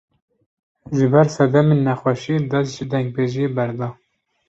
Ji ber sedemên nexweşiyê, dest ji dengbêjiyê berda